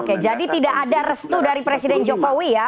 oke jadi tidak ada restu dari presiden jokowi ya